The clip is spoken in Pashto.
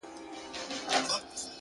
خو كله ، كله مي بيا،